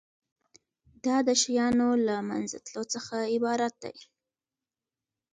دا د شیانو له منځه تلو څخه عبارت دی.